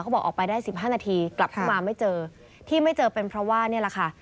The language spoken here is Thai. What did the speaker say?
บอกออกไปได้สิบห้านาทีกลับเข้ามาไม่เจอที่ไม่เจอเป็นเพราะว่านี่แหละค่ะ